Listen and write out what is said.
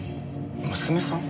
娘さん？